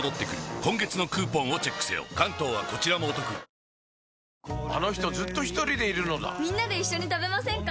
リブネスタウンへあの人ずっとひとりでいるのだみんなで一緒に食べませんか？